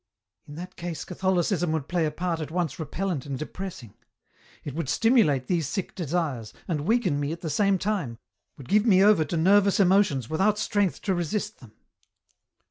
"In that case Catholicism would play a part at once repellent and depressing. It would stimulate these sick desires, and weaken me at the same time, would give D 2 36 EN ROUTE. me over to nervous emotions without strength to resist them."